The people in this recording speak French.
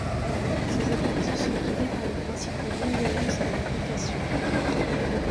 Ces objectifs sont guidés par les principes de non-violence et de compassion.